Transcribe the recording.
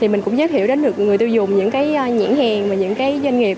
mình cũng giới thiệu đến người tiêu dùng những nhãn hàng và những doanh nghiệp